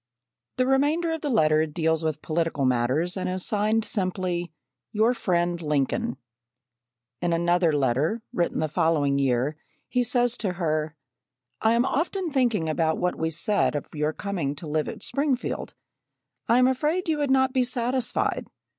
The remainder of the letter deals with political matters and is signed simply "Your Friend Lincoln." In another letter written the following year he says to her: "I am often thinking about what we said of your coming to live at Springfield. I am afraid you would not be satisfied.